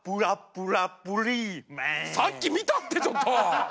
さっき見たってちょっと。